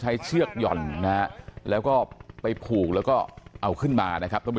เชือกหย่อนนะฮะแล้วก็ไปผูกแล้วก็เอาขึ้นมานะครับท่านผู้